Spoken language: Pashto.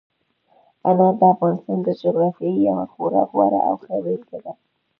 انار د افغانستان د جغرافیې یوه خورا غوره او ښه بېلګه ده.